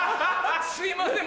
すいません